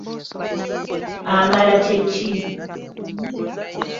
Amala kye ki?